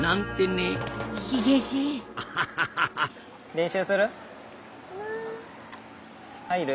練習する？